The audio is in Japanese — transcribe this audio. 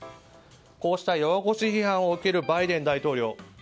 こうした弱腰批判を受けるバイデン大統領。